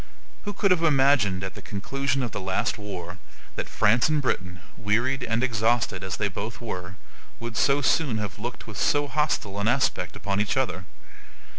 Who could have imagined at the conclusion of the last war that France and Britain, wearied and exhausted as they both were, would so soon have looked with so hostile an aspect upon each other?